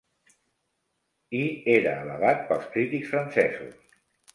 I era alabat pels crítics francesos.